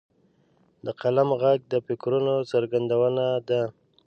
د قلم ږغ د فکرونو څرګندونه ده.